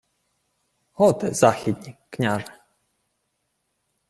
— Готи західні, княже.